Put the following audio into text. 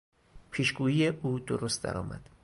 پیشگویی او درست درآمد.